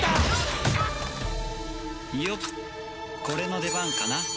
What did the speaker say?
これの出番かな。